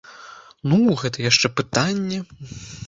Ну, гэта яшчэ пытанне.